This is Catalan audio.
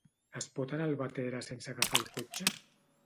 Es pot anar a Albatera sense agafar el cotxe?